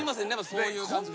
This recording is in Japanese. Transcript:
そういう感じが。